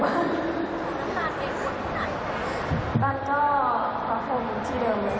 คุณคุณน้ำตาแม่คุณที่ไหน